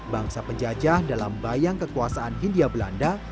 bangsa penjajah dalam bayang kekuasaan hindia belanda